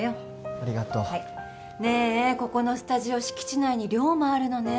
ありがとうねえここのスタジオ敷地内に寮もあるのね